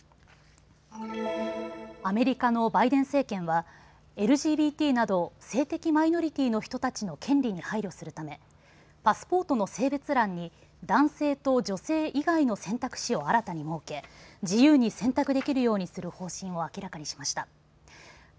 アメリカのバイデン政権はＬＧＢＴなど性的マイノリティーの人たちの権利に配慮するためパスポートの性別欄に男性と女性以外の選択肢を新たに設け、自由に選択できるようにする方針を明らかにしました。